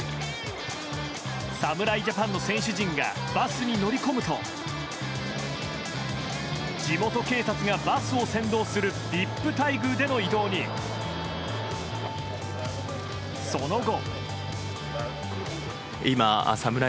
侍ジャパンの選手陣がバスに乗り込むと地元警察がバスを先導するＶＩＰ待遇での移動にその後。